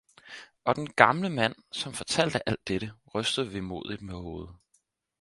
Og den gamle mand, som fortalte alt dette, rystede vemodig med hovedet